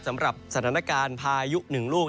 สำหรับสถานการณ์พายุ๑ลูก